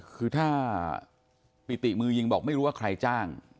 คือถ้าปิติมือยิงบอกไม่รู้ว่าใครจ้าง